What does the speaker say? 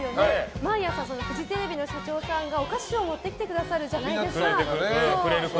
毎朝フジテレビの社長さんがお菓子を持ってきてくださるじゃないですか。